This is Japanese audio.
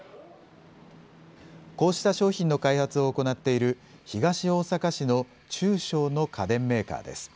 こうした商品の開発を行っている東大阪市の中小の家電メーカーです。